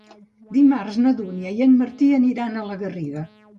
Dimarts na Dúnia i en Martí aniran a la Garriga.